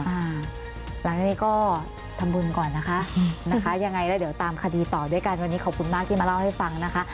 หลังจากนี้ก็ทำบุญก่อนนะคะยังไงแล้วเดี๋ยวตามคดีต่อด้วยกันวันนี้ขอบคุณมากที่มาเล่าให้ฟังนะคะ